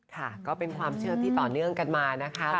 ค่ะก็เป็นความเชื่อที่ต่อเนื่องกันมานะคะ